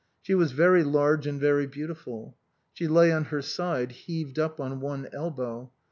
She was very large and very beautiful. She lay on her side, heaved up on one elbow.